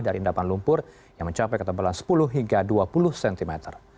dari endapan lumpur yang mencapai ketebalan sepuluh hingga dua puluh cm